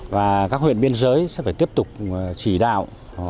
và các huyện biên giới sẽ phải tiếp tục chỉ đạo